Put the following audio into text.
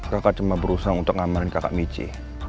kakak cuma berusaha untuk ngamarin kakak mici